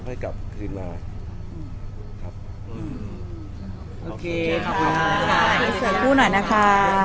ค่อยกลับธุรกิจราคุณพูดหน่อยนะคะ